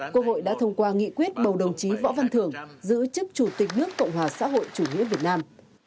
quốc hội đã thông qua nghị quyết bầu đồng chí võ văn thưởng giữ chức chủ tịch nước cộng hòa xã hội chủ nghĩa việt nam